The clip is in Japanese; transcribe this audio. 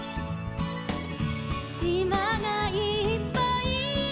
「しまがいっぱい」